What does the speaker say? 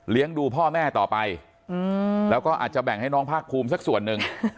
ดูพ่อแม่ต่อไปแล้วก็อาจจะแบ่งให้น้องภาคภูมิสักส่วนหนึ่ง